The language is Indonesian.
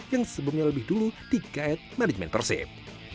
yang sebelumnya lebih dulu di kaed management persib